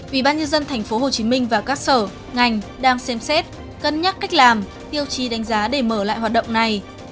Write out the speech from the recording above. ủy ban nhân dân tp hcm và các sở ngành đang xem xét cân nhắc cách làm tiêu chí đánh giá để mở lại hoạt động này